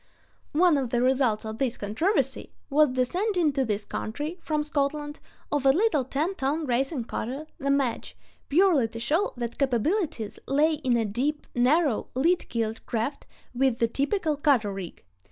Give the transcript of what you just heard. One of the results of this controversy was the sending to this country, from Scotland, of a little ten ton racing cutter, the Madge, purely to show what capabilities lay in "a deep, narrow, lead keeled craft with the typical cutter rig."